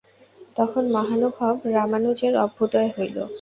তখন মহানুভব রামানুজের অভ্যুদয় হইল।